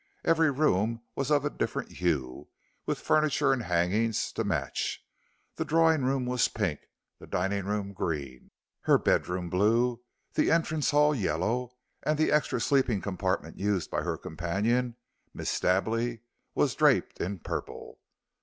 Every room was of a different hue, with furniture and hangings to match. The drawing room was pink, the dining room green, her bedroom blue, the entrance hall yellow, and the extra sleeping apartment used by her companion, Miss Stably, was draped in purple.